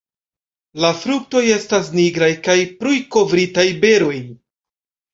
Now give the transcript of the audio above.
La fruktoj estas nigraj kaj prujkovritaj beroj.